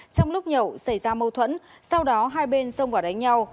trong lúc nhậu xảy ra mâu thuẫn sau đó hai bên xông vào đánh nhau